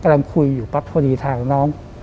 กำลังคุยอยู่ปั๊บพอดีทางน้อง